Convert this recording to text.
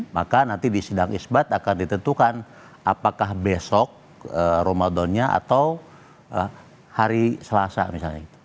maka nanti di sidang isbat akan ditentukan apakah besok ramadannya atau hari selasa misalnya